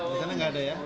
di sana gak ada ya